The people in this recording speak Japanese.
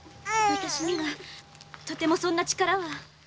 私にはとてもそんな力は。